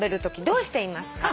「どうしてますか？」